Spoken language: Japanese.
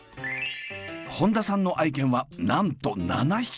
本田さんの愛犬はなんと７匹の大家族！